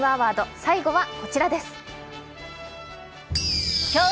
最後はこちらです。